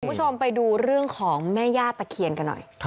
คุณผู้ชมไปดูเรื่องของแม่ย่าตะเคียนกันหน่อย